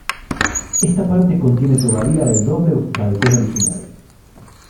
Esta parte contiene todavía el doble balcón original.